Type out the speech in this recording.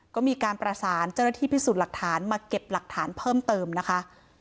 ก็มีการประสานเจ้าหน้าที่พิสูจน์หลักฐานมาเก็บหลักฐานเพิ่มเติมนะคะ